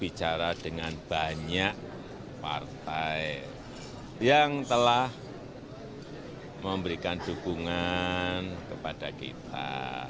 bicara dengan banyak partai yang telah memberikan dukungan kepada kita